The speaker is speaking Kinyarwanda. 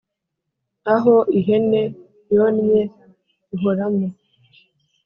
Aho ihene yonnye ihoramo